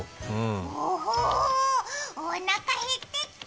おおおおー、おなか減ってきた！